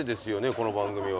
この番組は。